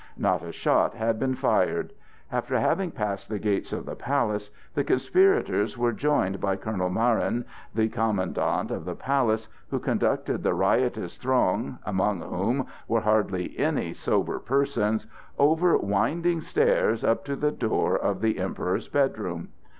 Not a shot had been fired. After having passed the gates of the palace, the conspirators were joined by Colonel Marin, the Commandant of the palace, who conducted the riotous throng, among whom were hardly any sober persons, over winding stairs up to the door of the Emperor's bedroom.